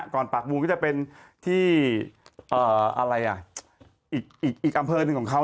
ก่อนปากมูลก็จะเป็นที่อีกอำเภอหนึ่งของเขา